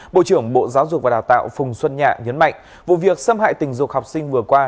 bộ trưởng bộ giáo dục và đào tạo phùng xuân nhạ nhấn mạnh vụ việc xâm hại tình dục học sinh vừa qua